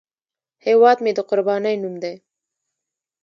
هیواد مې د قربانۍ نوم دی